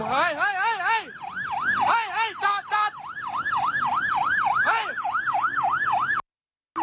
แล้วแล้วเราติดตามดูนะครับเรามีการมีการทำร้ายรถนะครับจากกลุ่มคนไม่ทราบชื่อนะครับ